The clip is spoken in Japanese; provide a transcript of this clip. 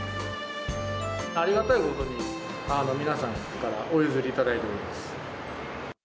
ありがたいことに、皆さんからお譲りいただいております。